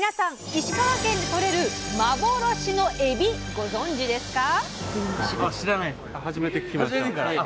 石川県でとれる幻のエビご存じですか？